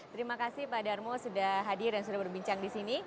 terima kasih pak darmo sudah hadir dan sudah berbincang di sini